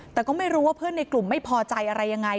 แต่ก็ไม่รู้ว่าเพื่อนในกลุ่มไม่พอใจอะไรยังไง